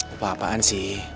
upah apaan sih